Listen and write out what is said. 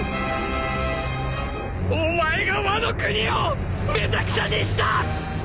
お前がワノ国をめちゃくちゃにした！！